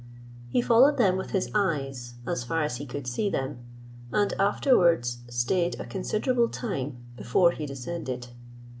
He followed them with his eyes as far as he could see them; and afterwards stayed a considerable time before he descended.